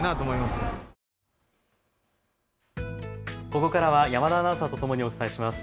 ここからは山田アナウンサーとともにお伝えします。